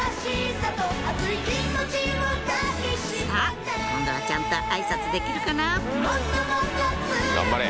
さぁ今度はちゃんとあいさつできるかな？